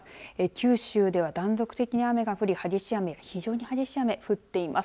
九州では断続的に雨が降り、激しい雨非常に激しい雨、降っています。